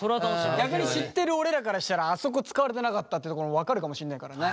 逆に知ってる俺らからしたらあそこ使われてなかったってところ分かるかもしんないからね。